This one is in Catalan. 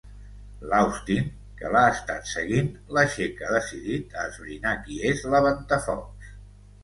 L'Austin, que l'ha estat seguint, l'aixeca decidit a esbrinar qui és la Ventafocs.